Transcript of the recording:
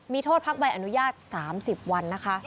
มีโทษพักใบอนุญาต๓๐วันนะคะ